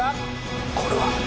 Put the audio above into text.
これは！